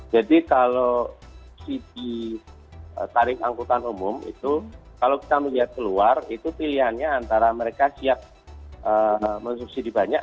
jadi kalau siti tarik angkutan umum itu kalau kita melihat keluar itu pilihannya antara mereka siap men subsidi banyak